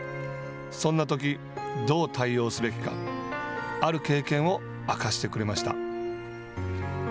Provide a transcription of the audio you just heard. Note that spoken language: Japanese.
そんなとき、どう対応すべきかある経験を明かしてくれました。